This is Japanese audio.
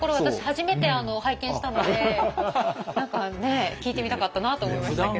初めて拝見したので何かね聞いてみたかったなと思いましたけど。